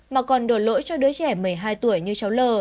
mà còn đổ lỗi cho đứa trẻ một mươi hai tuổi như cháu l